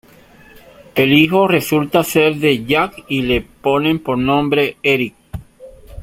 El hijo resulta ser de Jack y le ponen por nombre Erik.